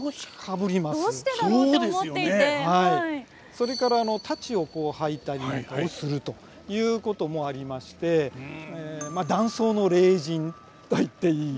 それから太刀をはいたりもするということもありましてまあ男装の麗人といっていい。